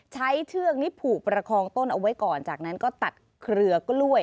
เชือกนี้ผูกประคองต้นเอาไว้ก่อนจากนั้นก็ตัดเครือกล้วย